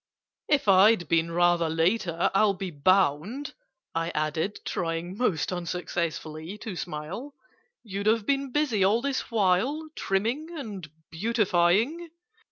"If I'd been rather later, I'll Be bound," I added, trying (Most unsuccessfully) to smile, "You'd have been busy all this while, Trimming and beautifying?"